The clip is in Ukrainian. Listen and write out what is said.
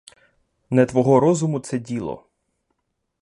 Не твого розуму це діло.